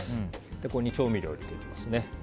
ここに調味料を入れていきます。